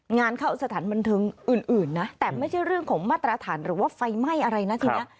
งานเข้าสถานบันเทิงอื่นนะแต่ไม่ใช่เรื่องของมาตรฐานหรือว่าไฟไหม้อะไรนะทีนี้